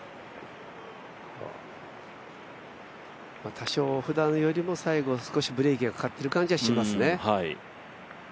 多少、ふだんよりも最後少しブレーキがかかってる気がしますね。